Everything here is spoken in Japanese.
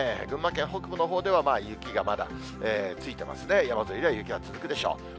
群馬県北部のほうでは雪がまだついてますね、山沿いでは雪が続くでしょう。